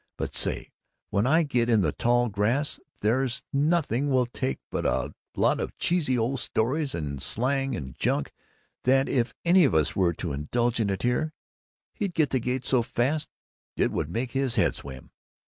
But say, when I get out in the tall grass, there's nothing will take but a lot of cheesy old stories and slang and junk that if any of us were to indulge in it here, he'd get the gate so fast it would make his head swim."